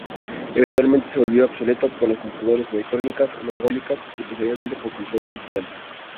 Eventualmente se volvió obsoleto por las computadoras electrónicas analógicas y posteriormente por computadores digitales.